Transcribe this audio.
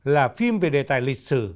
là phim về đề tài lịch sử